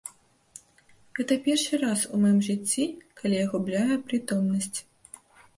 Гэта першы раз у маім жыцці, калі я губляю прытомнасць.